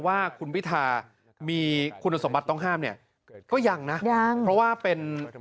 ว่าคุณพิธามีคุณสมบัติต้องห้ามเนี่ยก็ยังนะยังเพราะว่าเป็น